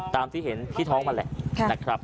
ตามที่เห็นที่ท้องมันแหละนะครับ